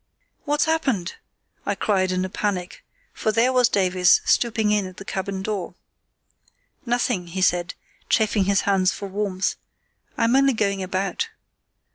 "What's happened?" I cried, in a panic, for there was Davies stooping in at the cabin door. "Nothing," he said, chafing his hands for warmth; "I'm only going about.